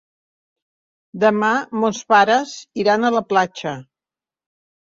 Demà mons pares iran a la platja.